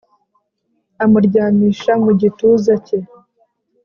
amuryamisha mu gituza cye